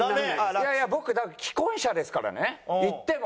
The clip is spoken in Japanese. いやいや僕だって既婚者ですからね言っても。